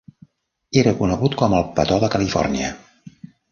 Era conegut com el Petó de Califòrnia.